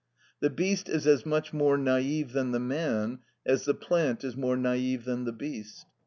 The beast is as much more naïve than the man as the plant is more naïve than the beast.